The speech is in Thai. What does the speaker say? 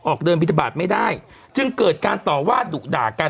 เดินบินทบาทไม่ได้จึงเกิดการต่อว่าดุด่ากัน